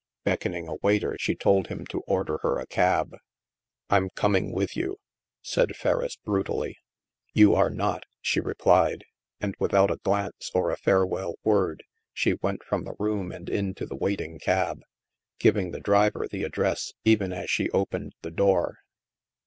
Beckoning a waiter, she told him to order her a cab. I'm coming with you," said Ferriss brutally. You are not," she replied, and without a glance^ or a farewell word, she went from the room and into the waiting cab, giving the driver the address even as she opened the door.